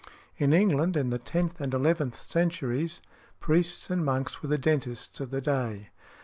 In England, in the tenth and eleventh centuries, priests and monks were the dentists of the day.